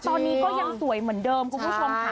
ตอนนี้ก็ยังสวยเหมือนเดิมคุณผู้ชมค่ะ